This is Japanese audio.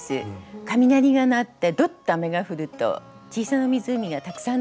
雷が鳴ってどっと雨が降ると小さな湖がたくさんできるんですね。